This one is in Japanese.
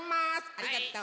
ありがとう！